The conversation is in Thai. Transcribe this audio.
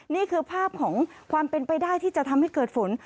นี่คือภาพของความเป็นไปได้ที่จะทำให้เกิดฝน